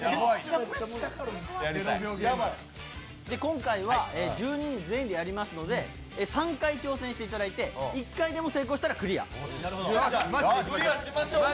今回は１２人全員でやりますので、３回挑戦していただいて１回でも成功したらクリア。